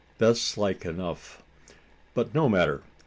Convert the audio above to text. that's like enough. But no matter.